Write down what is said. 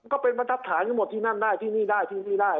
ก็เป็นประทับฐานทั้งหมดที่นั่นได้ที่นี่ได้ที่นี่ได้